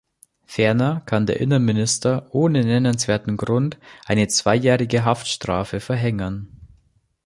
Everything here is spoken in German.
Ferner kann der Innenminister ohne nennenswerten Grund eine zweijährige Haftstrafe verhängen.